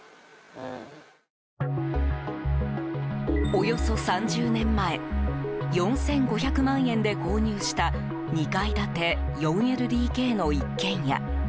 およそ３０年前４５００万円で購入した２階建て４ＬＤＫの一軒家。